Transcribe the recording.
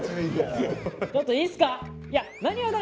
ちょっといいっすか？